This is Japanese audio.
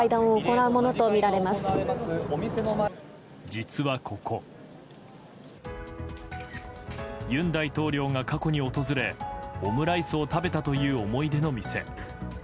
実はここ、尹大統領が過去に訪れオムライスを食べたという思い出の店。